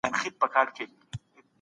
علمي څېړنه تر شاعرانه تعبیر غوره ده.